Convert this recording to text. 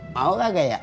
mau gak gaya